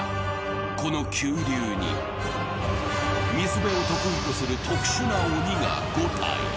この急流に水辺を得意とする特殊な鬼が５体。